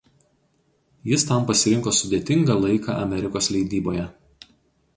Jis tam pasirinko sudėtingą laiką Amerikos leidyboje.